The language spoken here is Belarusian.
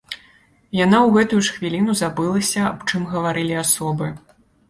Яна ў гэтую ж хвіліну забылася, аб чым гаварылі асобы.